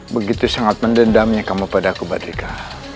begitu sangat mendendamnya kamu pada aku badrika